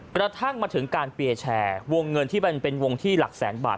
กระทั่งมาถึงการเปียร์แชร์วงเงินที่มันเป็นวงที่หลักแสนบาท